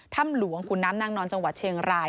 ถ้ำหลวงขุนน้ำนางนอนจังหวัดเชียงราย